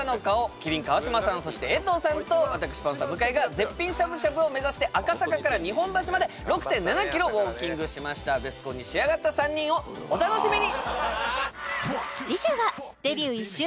麒麟・川島さんそして江藤さんと私パンサー・向井が絶品しゃぶしゃぶを目指して赤坂から日本橋まで６．７キロウォーキングしましたベスコンに仕上がった３人をお楽しみに！